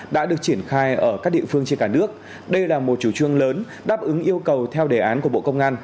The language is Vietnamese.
đã được triển khai ở các địa phương trên cả nước đây là một chủ trương lớn đáp ứng yêu cầu theo đề án của bộ công an